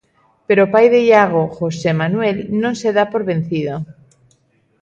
Pero o pai de Iago, José Manuel, non se dá por vencido.